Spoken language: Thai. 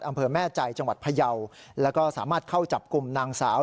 อำเภอแม่ใจจังหวัดพยาวแล้วก็สามารถเข้าจับกลุ่มนางสาว